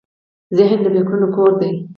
ذهن د فکرونو کور دی.